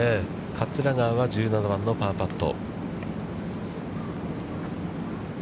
桂川は１７番のパーパット。